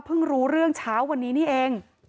พึ่งรู้เรื่องเช้าวันนี้เอง